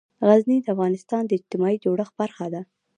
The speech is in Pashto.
غزني د افغانستان د اجتماعي جوړښت برخه ده.